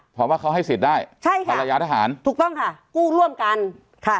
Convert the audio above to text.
เพราะว่าเขาให้สิทธิ์ได้ใช่ค่ะภรรยาทหารถูกต้องค่ะกู้ร่วมกันค่ะ